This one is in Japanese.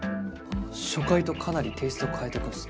初回とかなりテイスト変えてくんすね。